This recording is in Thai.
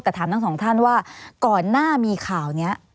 แต่ถามทั้งสองท่านว่าก่อนหน้ามีข่าวนี้